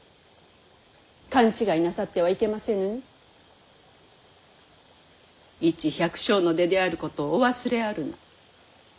勘違いなさってはいけませぬにいち百姓の出であることをお忘れあるな。